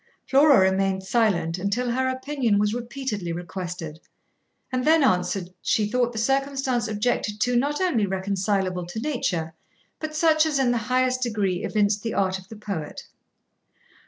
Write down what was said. Flora remained silent until her opinion was repeatedly requested, and then answered, she thought the circumstance objected to not only reconcilable to nature, but such as in the highest degree evinced the art of the poet.